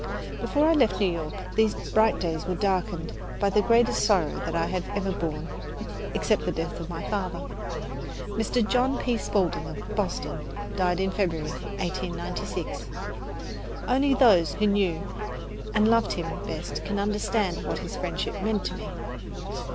Before I left New York, these bright days were darkened by the greatest sorrow that I have ever borne, except the death of my father. Mr. John P. Spaulding, of Boston, died in February, 1896. Only those who knew and loved him best can understand what his friendship meant to me.